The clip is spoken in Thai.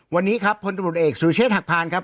วันนี้ครับพลตำรวจเอกสุเชษฐหักพานครับ